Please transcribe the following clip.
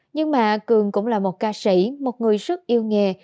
nhưng mà cường cũng là một ca sĩ một người rất yêu nghề